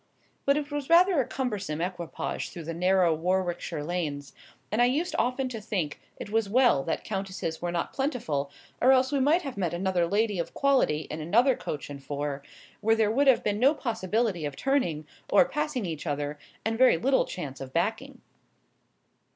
But it was rather a cumbersome equipage through the narrow Warwickshire lanes; and I used often to think it was well that countesses were not plentiful, or else we might have met another lady of quality in another coach and four, where there would have been no possibility of turning, or passing each other, and very little chance of backing.